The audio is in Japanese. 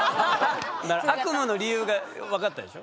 悪夢の理由が分かったでしょ？